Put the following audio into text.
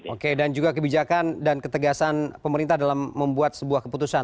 oke dan juga kebijakan dan ketegasan pemerintah dalam membuat sebuah keputusan